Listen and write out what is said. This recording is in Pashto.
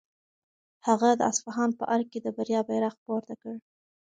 هغه د اصفهان په ارګ کې د بریا بیرغ پورته کړ.